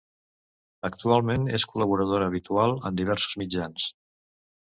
Actualment és col·laboradora habitual en diversos mitjans.